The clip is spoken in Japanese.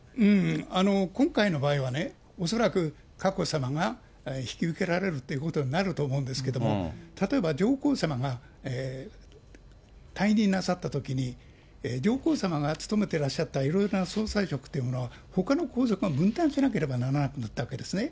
今回の場合は恐らく佳子さまが引き受けられるということになると思うんですけれども、例えば上皇さまが退任なさったときに、上皇さまが務めてらっしゃったいろいろな総裁職というものをほかの皇族が分担しなければならなくなったわけですね。